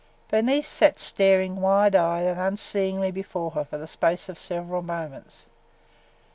Bernice sat staring wide eyed and unseeingly before her for the space of several moments.